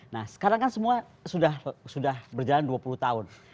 nah sekarang kan semua sudah berjalan dua puluh tahun